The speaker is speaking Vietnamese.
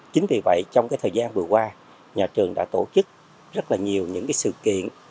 chính vì vậy trong thời gian vừa qua nhà trường đã tổ chức rất là nhiều những sự kiện